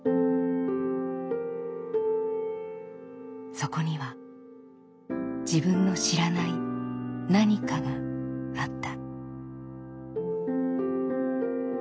そこには自分の知らない“何か”があった。